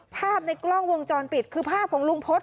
ภาพในกล้องวงจรปิดคือภาพของลุงพฤษ